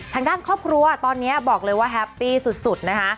ทางด้านครอบครัวตอนนี้บอกเลยว่าแฮปปี้สุดนะคะ